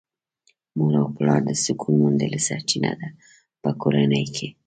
مور او پلار د سکون موندلې سرچينه ده په کورنۍ کې .